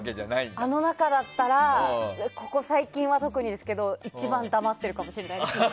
あの中だったらここ最近は特にですけど一番黙っているかもしれないです。